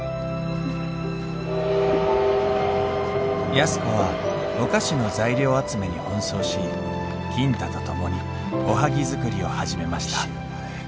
安子はお菓子の材料集めに奔走し金太と共におはぎ作りを始めました